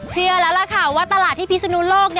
เชื่อแล้วล่ะค่ะว่าตลาดที่พิศนุโลก